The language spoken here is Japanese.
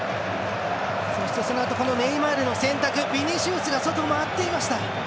そのあとネイマールの選択ビニシウスが外を回っていました。